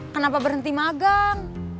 kenapa berhenti magang